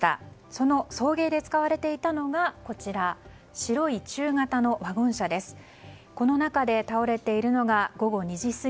その送迎で使われていたのがこちらの白い中型のワゴン車です。